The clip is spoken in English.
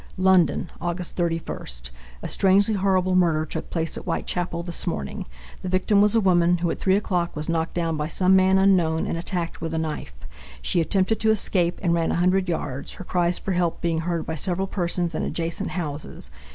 London, Aug. 31 A strangely horrible murder took place at Whitechapel this morning. The victim was a woman who, at 3 o'clock, was knocked down by some man unknown and attacked with a knife. She attempted to escape and ran a hundred yards, her cries for help being heard by several persons in adjacent houses.